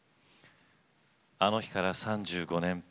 あの日から、３５年。